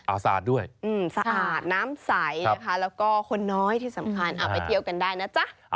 สะอาดด้วยสะอาดน้ำใสนะคะแล้วก็คนน้อยที่สำคัญไปเที่ยวกันได้นะจ๊ะ